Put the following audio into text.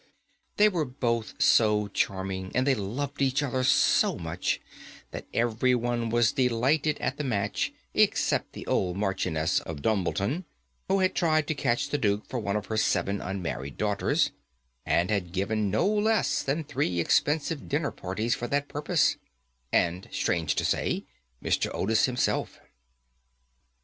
They were both so charming, and they loved each other so much, that every one was delighted at the match, except the old Marchioness of Dumbleton, who had tried to catch the Duke for one of her seven unmarried daughters, and had given no less than three expensive dinner parties for that purpose, and, strange to say, Mr. Otis himself.